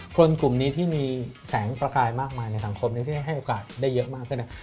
กลุ่มนี้ที่มีแสงประกายมากมายในสังคมที่ให้โอกาสได้เยอะมากขึ้น